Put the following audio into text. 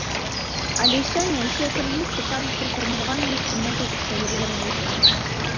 Але сёння ўсе эканамісты кажуць пра фарміраванне інструментаў устойлівага развіцца.